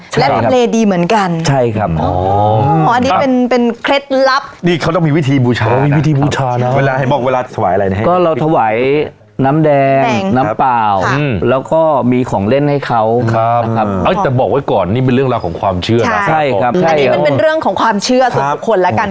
ซึ่งเป็นที่ที่ตรงข้ามกันและทำเลดีเหมือนกัน